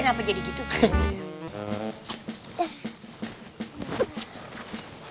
apa jadi gitu